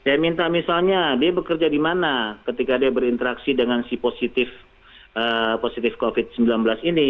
saya minta misalnya dia bekerja di mana ketika dia berinteraksi dengan si positif covid sembilan belas ini